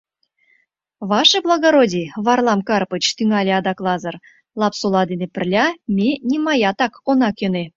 — Ваше благородий Варлам Карпыч, — тӱҥале адак Лазыр, — Лапсола дене пырля, ме нимаятак она кӧнӧ.